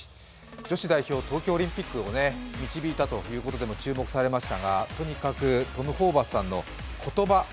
女子代表、東京オリンピックに導いたということでも注目されましたがとにかくトム・ホーバスさんの言葉。